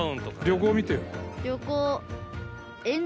旅行見てよ。